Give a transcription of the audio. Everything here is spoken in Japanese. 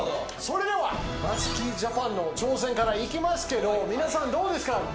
それでは松木ＪＡＰＡＮの挑戦からいきますけど皆さんどうですか？